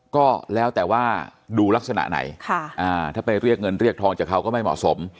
ก็แล้วแต่ว่าดูลักษณะไหนถ้าไปเรียกเงินเรียกทองจากเขาก็ไม่เหมาะสม